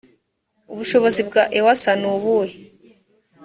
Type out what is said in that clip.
ubushobozi bwa ewsa ni ubuhe